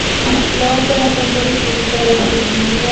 La ópera fue entonces sacrificada al secreto militar.